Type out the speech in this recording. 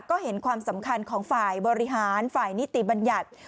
ก็เห็นความสำคัญของฝ่ายบริหารฝ่ายนิติบัญญัติ